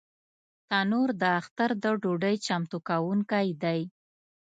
تنور د اختر د ډوډۍ چمتو کوونکی دی